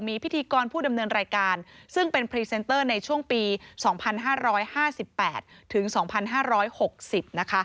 มีพิธีกรผู้ดำเนินรายการซึ่งเป็นพรีเซนเตอร์ในช่วงปี๒๕๕๘ถึง๒๕๖๐นะคะ